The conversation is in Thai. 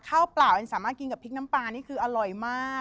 เปล่ายังสามารถกินกับพริกน้ำปลานี่คืออร่อยมาก